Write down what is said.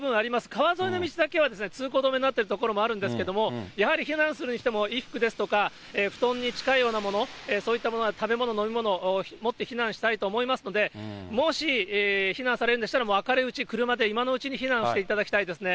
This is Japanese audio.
川沿いの道だけは通行止めになっている所あるんですが、やはり避難する人も衣服ですとか、布団に近いようなもの、そういったもの、食べ物、飲み物を持って避難したいと思いますので、もし、避難されるんでしたら、明るいうち車で今のうちに避難していただきたいですね。